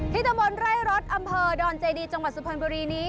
ตะบนไร่รถอำเภอดอนเจดีจังหวัดสุพรรณบุรีนี้